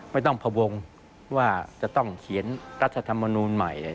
ไม่ต้องพวงว่าจะต้องเขียนรัฐธรรมนูลใหม่